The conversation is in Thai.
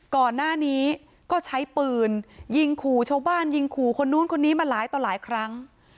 ก่อนหน้านี้ก็ใช้ปืนยิงขู่ชาวบ้านยิงขู่คนนู้นคนนี้มาหลายต่อหลายครั้ง